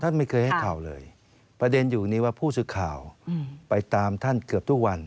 ไม่เคยให้ข่าวเลยประเด็นอยู่นี้ว่าผู้สื่อข่าวไปตามท่านเกือบทุกวัน